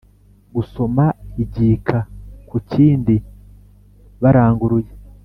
gusoma igika ku kindi baranguruye